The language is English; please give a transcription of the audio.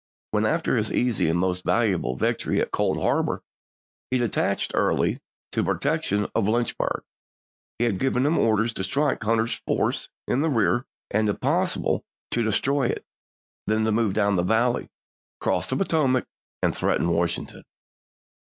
When, after his easy and most valuable vic tory at Cold Harbor, he detached Early to the pro tection of Lynchburg, he had given him orders to strike Hunter's force in rear and, if possible, to destroy it; then to move down the valley, cross the Potomac, and threaten Washington.